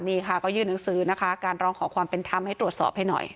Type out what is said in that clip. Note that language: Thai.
นี่ค่ะก็ยื่นหนังสือนะคะการร้องขอความเป็นธรรมให้ตรวจสอบให้หน่อย